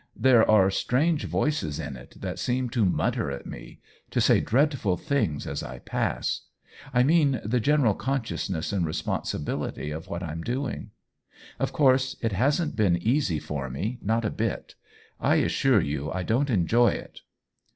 There are strange voices in it that seem to mutter at me — to say dreadful things as I pass. I mean the general con sciousness and responsibility of what I'm doing. Of course it hasn't been easy for me — not a bit. I assure you I don't enjoy it."